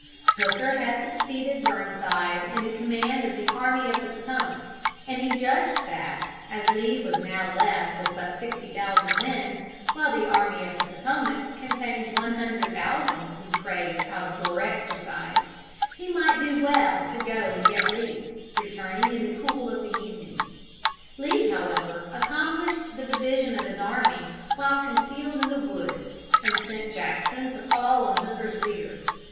"] Hooker had succeeded Burnside in the command of the Army of the Potomac, and he judged that, as Lee was now left with but sixty thousand men, while the Army of the Potomac contained one hundred thousand who craved out of door exercise, he might do well to go and get Lee, returning in the cool of the evening. Lee, however, accomplished the division of his army while concealed in the woods and sent Jackson to fall on Hooker's rear.